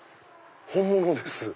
本物です。